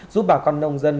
giúp bảo con nông dân